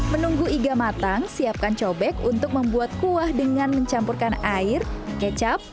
menunggu iga matang siapkan cobek untuk membuat kuah dengan mencampurkan air kecap